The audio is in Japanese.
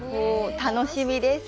楽しみです！